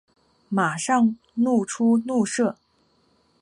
马上露出怒色